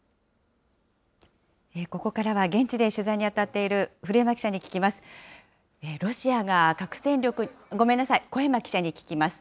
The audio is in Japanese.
ここからは現地で取材に当たっている古山記者に聞きます。